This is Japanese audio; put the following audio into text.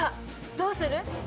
どうする？